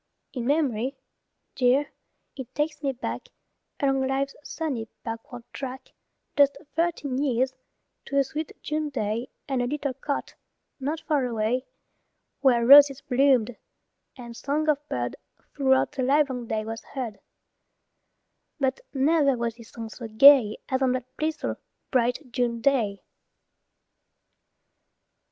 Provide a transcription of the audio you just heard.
In mem'ry, dear, it takes me back Along life's sunny backward track Just thirteen years, to a sweet June day And a little cot, not far away, Where roses bloomed, and song of bird Throughout the livelong day was heard; But never was this song so gay As on that blissful, bright June day.